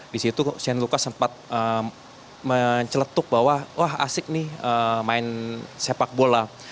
di situ shane lucas sempat menceletuk bahwa wah asik nih main sepak bola